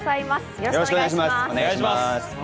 よろしくお願いします。